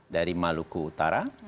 dari maluku utara